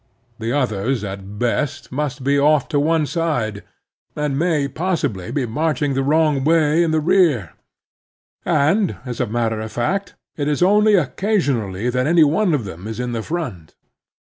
The others, at best, must be off to one side, and may possibly be marching the wrong way in the rear; and, as a matter of fact, it is only occasionally that any one of them is in the front.